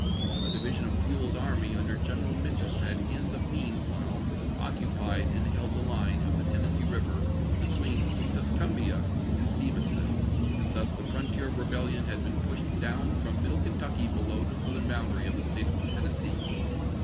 A division of Buell's army under Greneral Mitchel had in the mean while occupied and held the line of the Ten nessee River between Tuscumbia and Stevenson; and thus the frontier of rebellion had been pushed down from middle Kentucky below the southern boundary of the State of Tennessee.